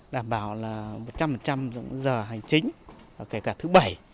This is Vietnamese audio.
đảm bảo là một trăm linh trong giờ hành chính kể cả thứ bảy